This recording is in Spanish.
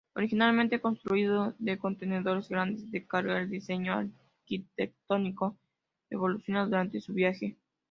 Originalmente construido de contenedores grandes de carga, el diseño arquitectónico evoluciona durante su viaje.